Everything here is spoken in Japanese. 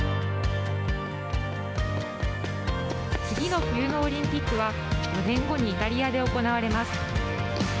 次の冬のオリンピックは４年後にイタリアで行われます。